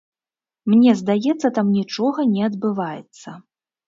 Мне здаецца, там нічога не адбываецца.